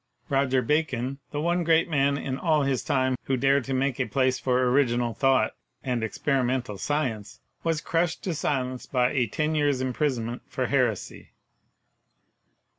Roger Bacon, the one great man in all his time who dared to make a place for original thought and experimental science, was crushed to silence by a ten years' imprisonment for heresy.